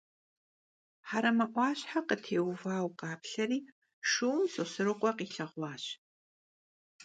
Hereme 'uaşhe khıtêuvaue khaplheri, şşum Sosrıkhue khilheğuaş.